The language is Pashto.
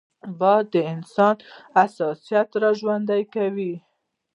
باد د انسان احساسات راژوندي کوي